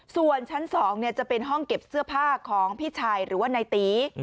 ส่วนชั้น๒จะเป็นห้องเก็บเสื้อผ้าของพี่ชายหรือว่านายตี